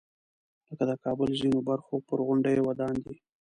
لکه د کابل ځینو برخو پر غونډیو ودان دی.